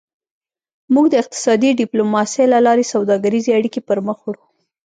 موږ د اقتصادي ډیپلوماسي له لارې سوداګریزې اړیکې پرمخ وړو